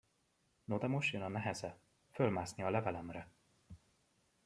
No de most jön a neheze: fölmászni a levelemre!